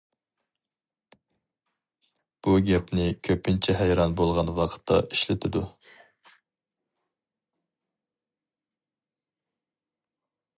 بۇ گەپنى كۆپىنچە ھەيران بولغان ۋاقىتتا ئىشلىتىدۇ.